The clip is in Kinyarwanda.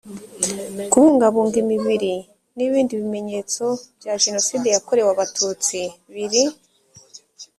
kubungabunga imibiri n ibindi bimenyetso bya jenoside yakorewe abatutsi biri